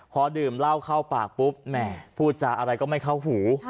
พอดื่มเหล้าเข้าปากปุ๊บแหมพูดจาอะไรก็ไม่เข้าหู